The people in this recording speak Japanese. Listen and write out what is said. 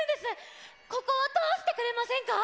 ここをとおしてくれませんか？